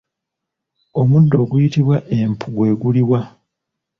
Omuddo oguyitibwa empu gwe guliwa?